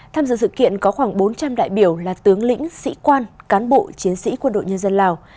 tham dự sự kiện có khoảng bốn trăm linh đại biểu là tướng lĩnh sĩ quan cán bộ chiến sĩ quân đội nhân dân lào